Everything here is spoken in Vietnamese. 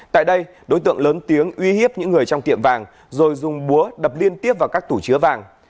tại đây đối tượng lớn tiếng uy hiếp những người trong tiệm vàng rồi dùng búa đập liên tiếp vào các tủ chứa vàng